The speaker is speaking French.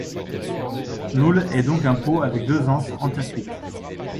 L'oule est donc un pot avec deux anses en terre cuite.